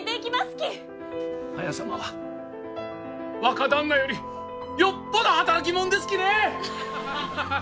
綾様は若旦那よりよっぽど働き者ですきね！